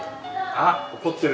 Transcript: あっ怒ってる。